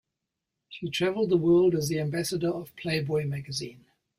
She traveled the world as the ambassador of "Playboy" magazine.